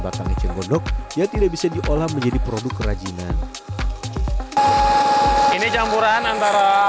batang eceng gondok yang tidak bisa diolah menjadi produk kerajinan ini campuran antara